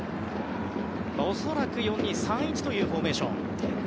恐らく４−２−３−１というフォーメーション。